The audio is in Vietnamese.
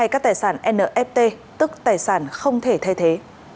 các tài sản nft tức tài sản không thể thay thế